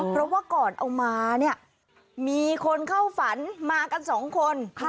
เพราะว่าก่อนเอามาเนี่ยมีคนเข้าฝันมากันสองคน